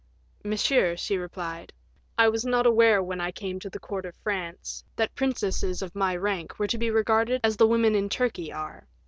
"Monsieur," she replied, "I was not aware, when I came to the court of France, that princesses of my rank were to be regarded as the women in Turkey are.